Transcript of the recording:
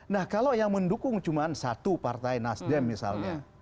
nah kalau yang mendukung cuma satu partai nasdem misalnya